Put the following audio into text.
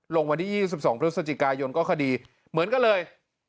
วันที่๒๒พฤศจิกายนก็คดีเหมือนกันเลย